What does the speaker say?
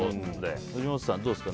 藤本さん、どうですか。